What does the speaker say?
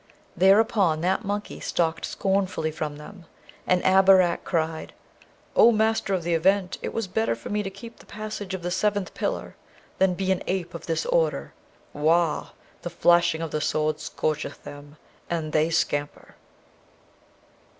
Thereupon that monkey stalked scornfully from them; and Abarak cried, 'O Master of the Event! it was better for me to keep the passage of the Seventh Pillar, than be an ape of this order. Wah! the flashing of the Sword scorcheth them, and they scamper.'